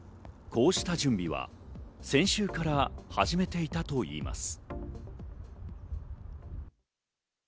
こうした準備は先週から始めていたといいます。